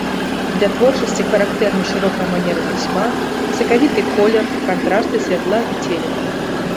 Для творчасці характэрны шырокая манера пісьма, сакавіты колер, кантрасты святла і ценю.